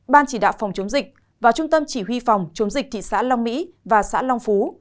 ban chỉ đạo phòng chống dịch và trung tâm chỉ huy phòng chống dịch thị xã long mỹ và xã long phú